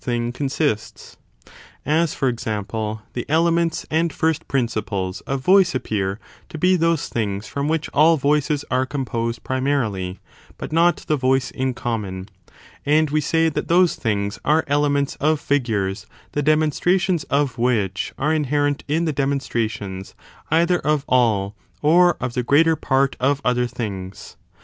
^^^^^^ thing consistsi as, for example, the elements and first principles of voice appear to be those things from which all voices are composed primarily, but not the voice in common; and we say that those things are elements of figures the demonstrations of which are inherent in the demonstrations either of all or of the greater part of other things.